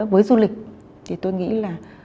với du lịch thì tôi nghĩ là